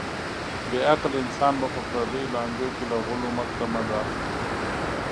بې عقل انسان به په پردیو لانجو کې له غولو مخته منډه اخلي.